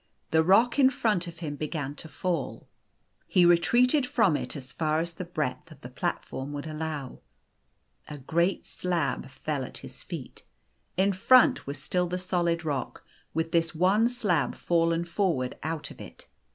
The rock in front of him began to fall. He re treated from it as far as the breadth of the platform would allow. A great slab fell at his feet. In front was still the solid rock, with this one slab fallen for ward out of it.